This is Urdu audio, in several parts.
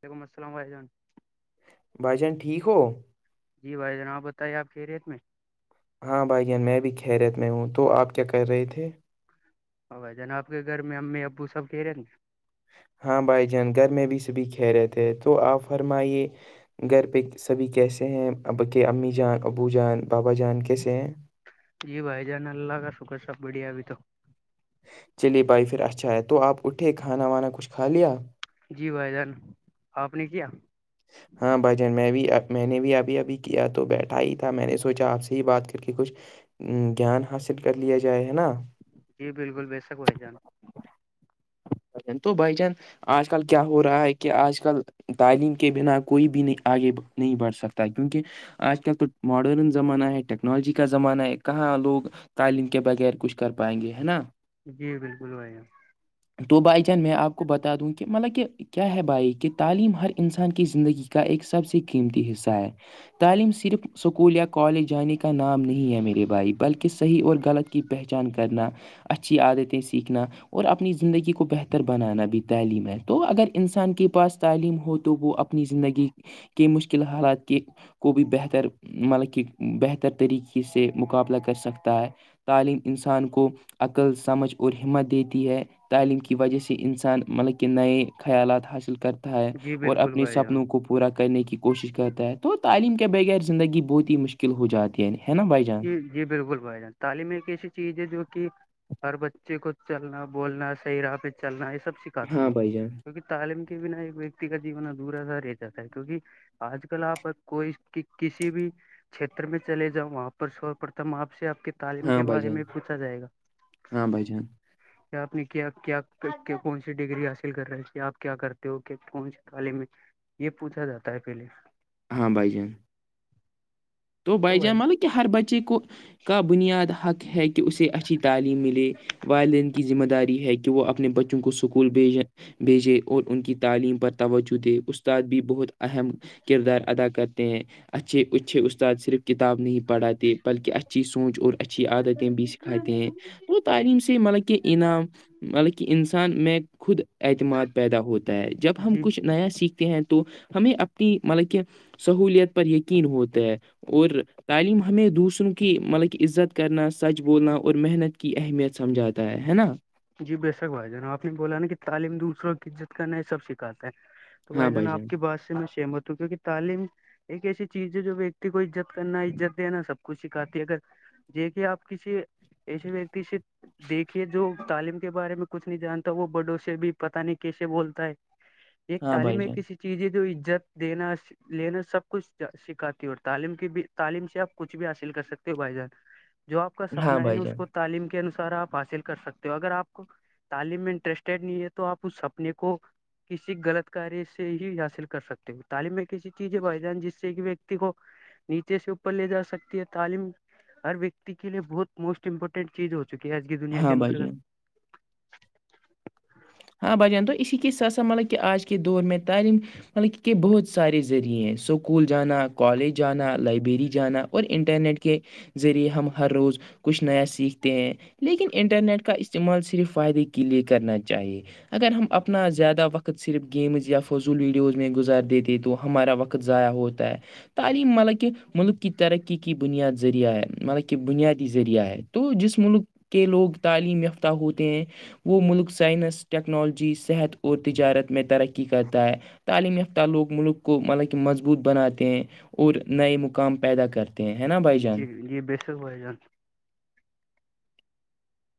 ولیکم السلام عحمان بھائی جان ٹھیک ہو جی بھائی جناب بتائیے آپ کے ریٹ میں ہاں بھائیان میں بھی خیرت میں ہوں تو آپ کیا کر رہے تھے اورو ہے جنا آپ کے گھر میں امی ابو سب کہ رہے نا ہاں بھائی جان گھر میں بھی سبھی کھے رہتے ہیں تو آپ فرمائیے گھر پہ سبھی کیسے ہیں اب کہ امی جان ابو جان بابا جان کیسے ہیں جی بھائی جان اللہ کاا شوکر ساپ بڑی آ تو چلیے بھائی پھر اچھا ہے تو آپ اٹھے کھانا وانا کچھ کھا لیا جی بھائی جان آپ نے کیا ہاں بھائی جان میں بھیب میں نے بھی ابھی ابھی کیا تو بیٹھا ہی تھا میں نے سوچا آپ سے ہی بات کر کے کچھ گیان حاصل کر لیا جائے ہے نا جی بالکل بسک کو جان بھائی تو بھائی جان آج کل کیا ہو رہا ہے کہ آج کل تعلیم کے بنا کوئی بھی نہیں آگے نہیں بڑھ سکتا کیونکہ آج کل تو ماڈرن زمانہ ہے ٹیکنالوجی کا زمانہ ہے کہاں لوگ تعلیم کے بغیر کچھ کر پائیں گے ہے نا جی بالکل بھائی تو بائی چانس میں آپ کو بتا دوں کہ مطلب کہ کیا ہے بھائی کہ تعلیم ہر انسان کی زندگی کا ایک سب سے قیمتی حصہ ہے تعلیم صرف اسکول یا کالج جانے کی کا نام نہیں ہے میرے بھائی بلکہ صحیح اور غلط کی پہچان کرنا اچھی عادتیں سیکھنا اور اب اپنی زندگی کو بہتر بنانا بھی تعلیم ہے تو اگر انسان کے پاس تعلیم ہو تو وہ اپ اپنی زندگی کے مشکل حالات کے کو بھی بہتر مطلب کہ بہتر طریقے سے مقابلہ کر سکتا ہے تعلیم انسان کو عقل سمجھ اور ہمت دیتی ہے تعلیم کی وجہ سے انسان مطلب کہ نئے خیالات حاصل کر ہے جی اور بالکل اپنی بھائی جان سپنوں کوپ پورا کرنے کی کوشش کرتا ہے تو تعلیم کے بغیر زندگی بہت ہی مشکل کل ہو جاتے ینی ہے نا بھائی جان جی جی بالکل بھائی جان تعلیم ایک ایسی چیز ہے جو کہ ہر بچے کو چلنا بولنا صحیح راہ پہ چلنا یہ سب سکھاتی ہاں ہے بھائی جان کیکہ تعلیم کے بنا ایک ویکتی کا جیون ادھورا سا رہ جاتا ہے کیونکہ آج کل آپ کوئی کسی بھی چھیتر میں چلے جاؤ وہاں پر سپتم آپ سے آپ کی تعلیم ہاں کے بھائی بارے جان میں پوچھا جائے گا ہاں بھائی جان آپ نے کیا کیا کون سی ڈگری حاصل کر رہے تھ آپ کیا کرتے ہو کیا کون سے تعالم میں یہ پوچھا جاتا ہے پہلے ہاں بھائی جان تو بائی جان مطلب کہ ہر بچے کو کا بنیاد حق ہے کہ اسے اچھی تعلیم ملے والدین کی ذمہ داری ہے کہ وہ اپنے بچوں کو سکول بھیجیں بھیجے اور ان کی تعلیم پر توجہ دے استاد بھی بہت اہم کردار ادا کرتے ہیں اچھے اچھے اس اس صرف کتاب نہیں پڑھاتے بلکہ اچھی سونچ اور اچھی عادتیں بھی سکھاتے ہیں تو تعلیم سے مطلب کہ انعام مطلب کہ انسان میں خود اعتماد پیدا ہوتا ہے جب ہم جی کچھ نیا سیکھتے ہیں تو ہمیں اپنی مطلب کہ سہوولت پر یقین ہوتا ہے اور تعلیم ہمیں دوسروں کی مطلب کہ عزت کرنا سچ بولنا اور محنت کی اہمیت سمجھاتا ہے نا جی بےشک بھائی جان آپ نے بولا نا کہ تعلیم دوسروں کی عزت کر ن سب سکھاتا ہے تو بھائی جان آپ کی بات سے میں سیم ہوت ہوں کیکہ تعلیم ایک ایسی چیز ہے جو ویکتی کو عزت کرنا عزت دینا سب کچھ سکھاتی ہے اگر دیکھیے آپ کسی ایسے ویکتی سے دیکھیے جو تعلیم کے بارے میں کچھ نہیں جانتا وہ بڑوں سے بھی پتاہ نہیں کیسے بولتا ہے ایک ہاں تعلیم بھائی میں جان کسی چیز ہے تو عزت دینا لینا سب کچھ سکھاتی اور تعلیم کی بھی تعلیم سے آپ کچھ بھی حاصل کر سکتے ہو بھائی جان جو آپ کا ہاں سپنا ہے نا بھائی اس جان کو تعلیم کے انوسار آپ حاصل کر سکتے تو اگر آپ کو تعلیم میں انٹرسٹیڈ نہیں ہے تو آپ اس سپنے کو کسی غلط کاریہ سے ہی حاصل کر سکتے ہو تعلیم میں ایسی چیز ہے بائیدان جس سے کہ و کو نیچے سے اوپر لے جا سکتی ہے تعلیم ہر ویکتی کے لیے بہت موسٹ امپورٹنٹ چیز ہو چکی ہے آج کی دنیا کے ہاں بھائی جان اندرگت ہاں بھ جان تو اسی کے ساتھ سا مطلب کہ آج کے دور میں تعلیم مطلب کہ بہت سارے ذریعے اسکول جانا کالج جانا لائبریری جانا اور انٹرنیٹ کے ذریعے ہم ہر روز [unintelligible] کچھ نیا سیکھتے ہیں لیکن انٹرنیٹ کا استعمال صرف فائدے کے لیئے کرنا چاہیے اگر ہم اپنا زیادہ وقت صرف گیمز یا فضول ویڈیوز میں گزار دیتے تو ہمارا وقت ضائع ہوتا ہے [unintelligible] تعلیم مطلب کہ ملک کی ترقی کی بنیاد ذریعہ ہے مطلب کہ بنیادی ذریعہ ہے تو جس ملک کے لوگ تعلیم یافتہ ہوتے ہیں وہ ملک سائنس ٹیکنالوجی صحت اور تجارت میں ترقی کرتا ہے تعلیم تہ لوگ ملک کو مطلب کہ مضبوط بناتے ہیں اور نئے مقام پیدا کرتے ہیں ہیں نا بس [unintelligible] جی یہ بےشک والائی جان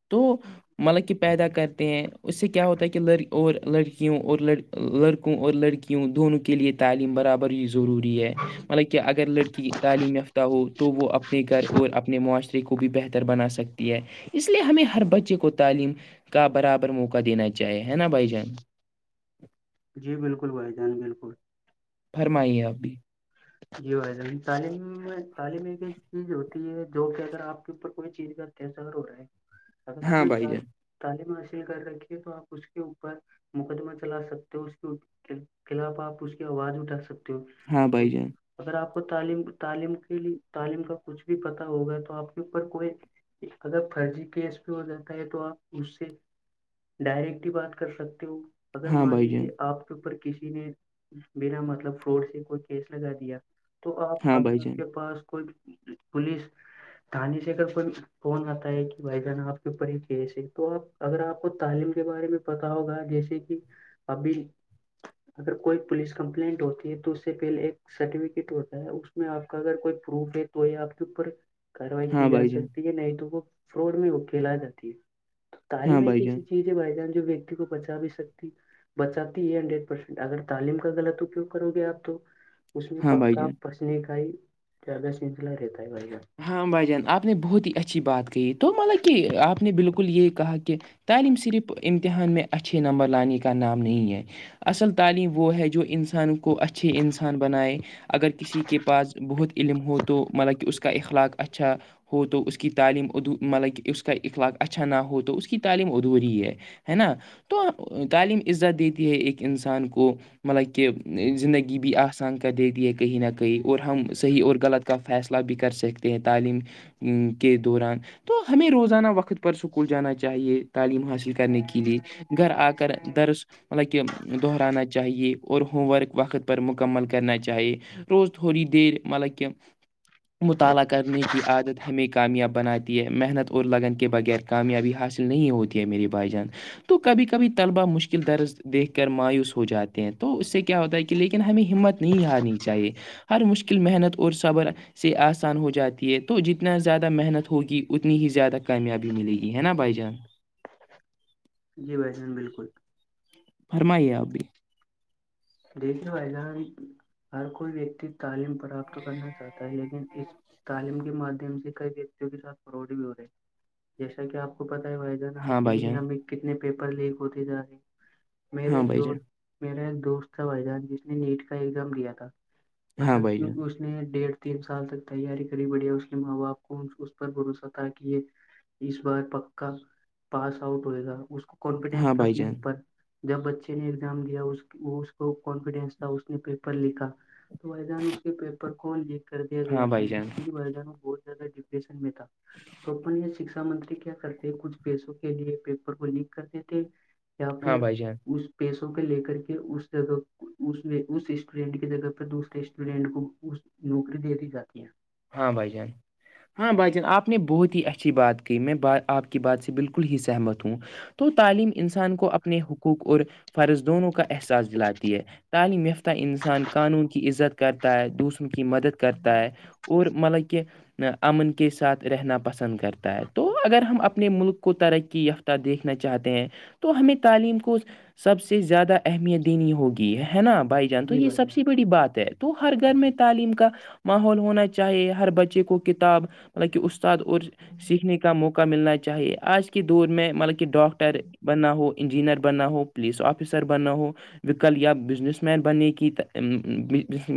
تو مطلب کہ پیدا کرتے ہیں اس سے کیا ہوتا ہے کہ ل اور لڑکیوں اور ل لڑکوں اور لڑکیوں دونوں کے لیے تعلیم برابر یوز ضروری ہے مطلب کہ اگر لڑکی تعلیم یافتہ ہو تو وہ اپنے گھر اور اپنے معاشرے کو بھی بہتر بنا سکتی ہے اس اس لیے ہمیں ہر بچے کو تعلیم کا برابر موقع دینا چاہیے ہے نا بھائی جان جی بالکل بھائی جان بالکل فرمائیے اب بھی جی و تعلیم تعلیم ایک چیز ہوتی جو کہ اگر آپ کے اوپر کوئی چیز کا اتس اگر ہو رہا ہے اگر آپ ہاں نے بھائی جان تعلیم حاصل کر رکھیے تو آپ اس کے اوپر مقدمہ چلا سکتے ہو اس کے خلاف آپ اس کی آواز اٹھا سکتے ہو ہاں اور بھائی جان اگر آپ کو تعلیم تعلیم کے لیے تعلیم کا کچھ بھی پتا ہوگا تو آپ کے اوپر کوئی اگر فرجی کیس بھی ہو جاتا ہے تو آپ اس سے ڈائریکٹ ہی بات کر سکتی ہو اگر ہاں مان بھائی جان لیجیے آپ کے اوپر کسی نے بنا مطلب فراڈ سے کوئی کیس لگا دیا تو آپ ہاں اگر بھائی آپ جان کے پاس کوئی پولیس [unintelligible] دانانی سے اگر کوئی فون آتا ہے کہ بھائی جانا آپ کے اوپر ہی کیس ہے تو آپ اگر آپ کو تعلیم کے بارے میں پتا ہوگا جیسے کہ ابھی اگر کوئی پولیس کمپلینٹ ہوتی ہے تو اس سے پہلے ایک سرٹیفکیٹ ہوتا ہے اس میں آپ کا اگر کوئی پروف ہےے تو یہ آپ کے اوپر کاروائی ہاں کی جا بھائی جان سکتی ہے نہیں تو وہ فراڈ میں اکیلا آ جاتی ہے تو ہاں تعلیم ایک بھائی کیسی جان چیز چیز ہے بائی جانس جو ویکتی کو بچا بھی سکتی بچاتی ہے ہنڈریڈ پرسینٹ اگر تعلیم کا غلط اپیوگ کرو گے آپ تو اس میں ہاں بھائی پکا جان پسنے کا ہی زیادہ سلسلہ رہتا ہے ہ ہاں بھائی جان آپ نے بہت ہی اچھی بات کہی تو مطلب کہ آپ نے بالکل یہ کہا کہ تعلیم صرف امتحان میں اچھے نمبر لانے کا نام نہیں ہے اصل تعلیم وہ ہے جو انسان کو اچھے انسان بنائے اگر کسی کے پاس بہت علم ہو تو مطلب کہ اس کا اخلاق اچھا وہ تو اس کی تعلیم ملک اس کا اخلاق اچھا نہ ہو تو اس ہے نا تو تعلیم عزت دیتی ہے ایک انسان کو مطلب کہ زندگی بھی آسان کر دتی ہے کہیں نہ کہیں اور ہم صحیح اور غلط کا فیصلہ بھی کر کر سکتے ہیں تعلیم کے دوران تو ہمیں روزانہ وقت پر اسکول جانا چاہیے تعلیم حاصل کرنے کے لیے گھر آ کر درس مطلب کہ دہرانا چاہیے اور ہوم ورک وقت پر مکمل کرنا چاہیے روز تھوڑی دیر مطلب کی مطالعہ کرنے کی عادت ہمیں کامیاب بناتی ہے محنت اور لگن کے بغیر کامیابی حاصل نہیں ہوتی ہے میری بھائی جان تو کبھی کبھی طلبا مشکل درز دیکھ کر مایوس ہو جاتے ہیں تو اس سے کیا ہوتا ہے کہ لیکن ہمیں ہمت نہیں ہارنی چاہیے ہر مشکل محنت اور صبر سے آسان ہو جاتی ہے تو جتنا زیادہ محنت ہوگی اتنی ہی زیادہ کامیابی ملے گی ہے نا بھائی جان جی بھسان بالکل فرمائیے اب بھی دیکھیے بائییدان ہر کوئی ویکتی تعلیم پراپت کرنا چاہتا ہے لیکن اس تعلیم کے مادھیم سے کئی ویکتیوں کے ساتھ فوٹ بھی ہو رہے جیسا کہ آپ کو پت ہے وحدانہ ہاں کی بھائی جان دنیا میں کتنے پیپر لیک ہوتے جا رہے ہیں میرے ہاں ایک بھائی جان دوست میرا ایک دوست تھا بھائی جان جس نے نیٹ کا ایگزام کیا تھا ہاں بھائی جان مطلب اس نے ڈیڑھ تین سال تک تیاری کری بڑیا اس کے ماں باپ کو اس پر بھروسہ تھا کہ یہ اس بار پککا پاس آؤٹ ہوئے گا اس کو ہاں کانفیڈینس تھا بھائی اپنے جان اوپر جب بچے نے ایگزام دیا وہ کانفیڈینس تھا اس نے پیپر لکھا تو ویدان اس کے پیپر کون لکھ کر دیا ہاں گیا تھا بھائی جان جس سے کہ مہدان میں بہت زیادہ ڈپریشن میں تھا تو اپن یہ شکشا شھ منتری کیا کرتے کچھ پیسوں کے لیے پیپر کو لیک کرتے تھے یا ہاں پھر بھائی جان اس پیسوں کے لے کر کے اس جگہ اس اس اسٹوڈینٹ کی جگہ پر دوسرے اسٹوڈینٹ کو نوکری دےتی جاتی ہیں ہاں بھائی جان ہاں بھائی جان آپ نے بہت ہی اچھی بات کہ میں ب آپ کی بات سے بالکل ہی سہمت ہوں تو تعلیم انسان کو اپنے حقوق اور فرض دونوں کا احساس دلاتی ہے تعلیم یافتہ انسان قانون کی عزت کرتا ہے دوسروں کی مدد کرتا ہے مطلب کہ امن کے ساتھ رہنا پسند کرتا ہے تو اگر ہم اپنے اپنے ملک کو ترقی یافتہ دیکھنا چاہتے ہیں تو ہمیں تعلیم کو سب سے زیادہ اہمیت دینی ہوگی ہے نا بائی جان تو جی یہ بھائی سب جان سے بڑی بات ہے تو ہر گھر میں تعلیم کا ماحول ہونا چ چاہے ہر بچے کو کتاب مطلب کہ استاد اور سیکھنے کا موقع ملنا چاہیے آج کے دور میں مطلب کہ ڈاکٹر بنا ہو انجینئر بنا ہو پولیس آفیسر بنا ہو وکل یا بزنس مین بننے کی بس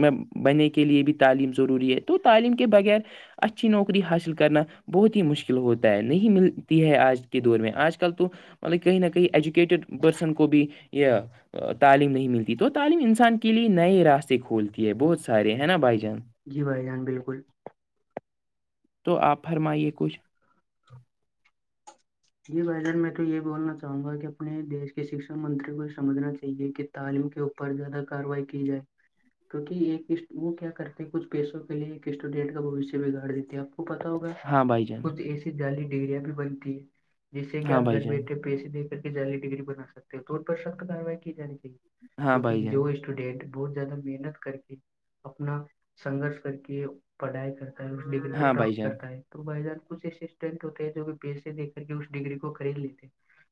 بننے کے لئے بھی تعلیم ضروری ہے تو تعلیم کے بغیر اچھی نوکری حاصل کرنا بہت ہی مشکل ہوتا ہے نہیں ملتی ہے آج کے دور میں آج کل تو مطلب کہیں نہ کہیں ایجو پرسن کو بھی یہ تعلیم نہیں ملتی تو تعلیم انسان کے لیے نئے راستے کھولتی ہے بہت سارے ہیں نا بھائی جان جی بھائی جان بالکل تو آپ فرمائیے کچھ جی بھائی جان میں تو یہ بولنا چاہوں گا کہ اپنے دیش کے شکھا منتری کو سمجھنا چاہیے کہ تعلیم کے اوپر زیادہ کاروائی کی جائے کیوںکہ ایک وہ کیا کرتے ہیں کچھ پیسوں کے لیے ایک اسٹوڈینٹ کا بوشیہ بگاڑ دیتے ہیں آپ کو پتا ہوگا ہاں بائی جان کچھ ایسی جعالی ڈگریاں بھی بنتی ہے جس سے ہاں کہپ بھائی گھر جان بیٹھے پیسے دے کر کے جلدی ڈگری بنا سکتے ہو تو ان پر سخت کاروائی کی جانی چاہیے ہاں بھائی کیونکہ جان جو اسٹوڈینٹ بہت زیادہ محنت کر کے اپنا سنگرش کر کے پڑھائی کرتا ہے ڈگری کو ہاں بھائی پراپت جان کرتا ہے تو بھائی جان کچھ اسسٹینٹ ہوتے ہیں جو کہ پیسے دیکتے کر کے اس ڈگری کو خرید لیتے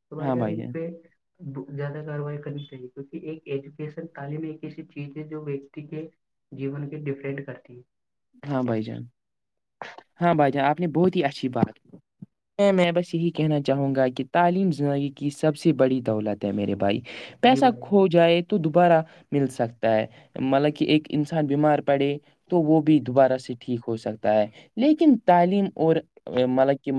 تو بھائی جان پہ زیادہ کاروائی کرنی چاہیے کیونکہ ایک ایجوکیشن تعلیم ایک ایسی چیز ہے جو ویکتی کے جیون کے ڈیفرینڈ کرتی ہے ہاں بھائی جان ہاں بھائی جان آپ نے بہت ہی اچھی بات کی میں بس یہی کہنا چاہوں گا کہ تعلیم زندگی کی سب سے بڑی دولت ہے میرے بھائی جی پیسہ بھائی جان کھو جائے تو دوبارہ مل سکتا ہے مطلب کہ ایک انسان بیمار پڑے تو وہ بھی دوبارہ سے ٹھیک ہو سکتا ہے لیکن تعلیم اورور مطلب کہ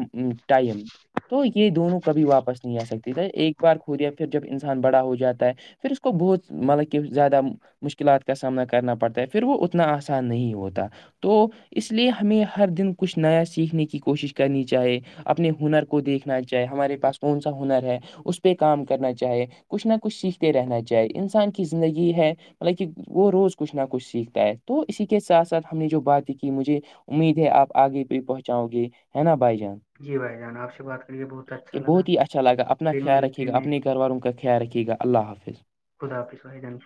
ٹائم تو یہ دونوں کبھی واپس نہیں آ سکتی ایک بار کھودیا پھر جب انسان بڑا ہو جاتا ہے پھر اس کو بہت مطلب کہ زیادہ مشکلات کا سامنا کرنا پڑتا ہے پھر وہ اتنا آسان نہیں ہوتا تو اس لیے ہمیں ہر دن کچھ نیا سیکھنے کی کوشش کرنی چاہے اپنے ہنر کو دیکھنا چاہے ہمارے پاس کون سا ہنر ہے اس پہ کام کرنا چاہے کچھ نہ کچھ سیکھتے رہنا چاہے انسان کی زندگی ہے مطلب کہ وہ روز کچھ نہ کچھ سیکھتا ہے تو اسی کے ساتھ ساتھ ہم نے جو باتیں کی مجھے امید ہے آپ آگے بھیہ پہنچاؤ گے ہے نا بھائی جان جی بھائی جان آپ سے بات کریے بہت کہ اچھا لگا بہت ہی اچھا لگا اپنا پھر خیال ملتے رکھیے گا ہیں اپنے گھر والوں کا خیال رکھیے گا اللہ حافظ خدافظ و ج